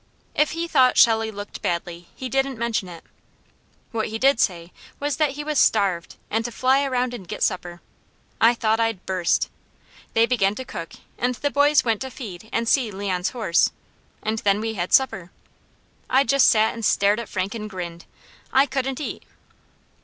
If he thought Shelley looked badly, he didn't mention it. What he did say was that he was starved, and to fly around and get supper. I thought I'd burst. They began to cook, and the boys went to feed and see Leon's horse, and then we had supper. I just sat and stared at Frank and grinned. I couldn't eat.